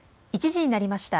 １時になりました。